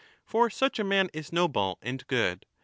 For such a man is noble and good.